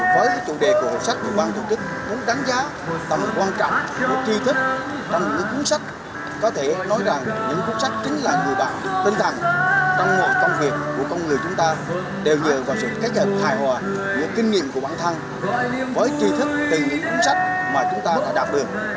trong mọi công việc của con người chúng ta đều dựa vào sự kết hợp hài hòa những kinh nghiệm của bản thân với trí thức từ những cuốn sách mà chúng ta đã đạt được